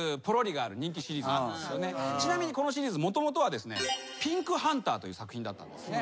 ちなみにこのシリーズもともとはですね『ピンクハンター』という作品だったんですね。